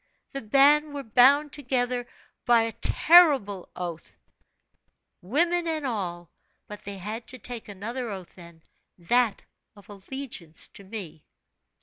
The band were bound together by a terrible oath, women and all; but they had to take another oath then, that of allegiance to me.